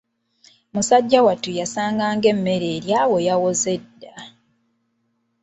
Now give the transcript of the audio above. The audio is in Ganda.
Musajja wattu yasanganga emmere eli awo yawoze dda.